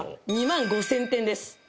２万５０００点です